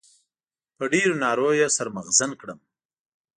په ډېرو نارو يې سر مغزن کړم.